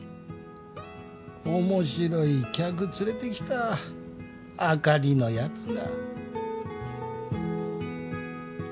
面白い客連れてきたあかりのやつが。